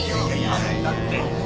あるんだって。